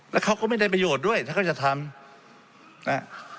แล้วเขาก็ไม่ได้ประโยชน์ด้วยถ้าเขาจะทำนะ